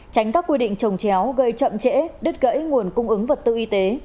tránh các quy định trồng chéo gây chậm trễ đứt gãy nguồn cung ứng vật tư y tế